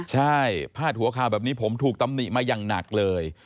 ใช่พาดหัวข่าวแบบนี้ผมถูกตำหนิมาอย่างหนักเลย